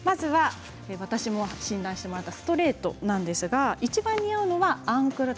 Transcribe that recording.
私も診断してもらったストレートですがいちばん似合うのがアンクル丈。